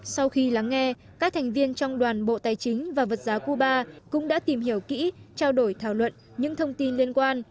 sau khi lắng nghe các thành viên trong đoàn bộ tài chính và vật giá cuba cũng đã tìm hiểu kỹ trao đổi thảo luận những thông tin liên quan